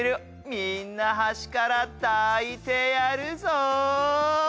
みんな端から抱いてやるぞ。